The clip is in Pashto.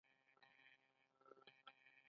ایا زه اوس کار کولی شم؟